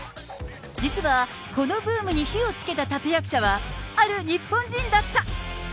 実はこのブームに火をつけた立役者はある日本人だった。